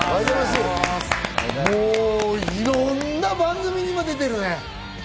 もういろんな番組に出てるね。